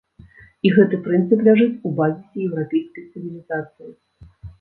І гэты прынцып ляжыць у базісе еўрапейскай цывілізацыі.